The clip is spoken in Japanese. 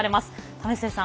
為末さん